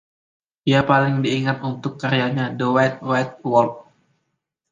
Ia paling diingat untuk karyanya "The Wide, Wide World".